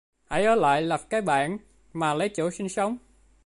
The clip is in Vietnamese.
Hãy ở lại lập cái bản mà lấy chỗ sinh sống